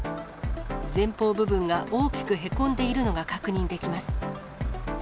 前方部分が大きくへこんでいるのが確認できます。